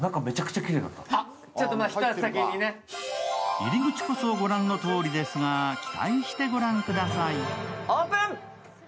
入り口こそ御覧のとおりですが、期待して御覧ください。